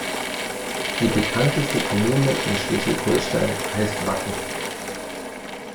Die bekannteste Kommune in Schleswig-Holstein heißt Wacken.